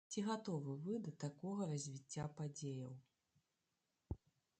Ці гатовы вы да такога развіцця падзеяў?